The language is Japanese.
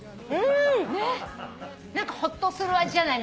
ほっとする味じゃない？